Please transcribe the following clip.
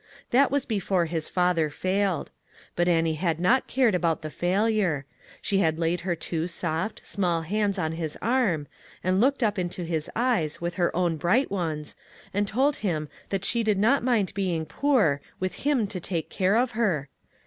That was before his father failed. But Annie had not cared about the failure. She had laid her two soft, small hands on his arm, and looked up into his eyes with her own bright ones, and told him that she did not mind being poor with him to take care of her.